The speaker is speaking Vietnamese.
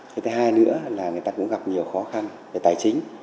thứ hai nữa người ta cũng gặp nhiều khó khăn về tài chính